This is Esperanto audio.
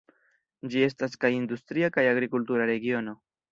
Ĝi estas kaj industria kaj agrikultura regiono.